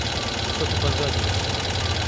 دوو سەد و پەنجا دینار